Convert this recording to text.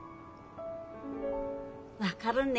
分かるね？